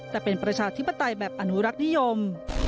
แต่เป็นประชาธิปไตยแบบอนุรักษ์นิยม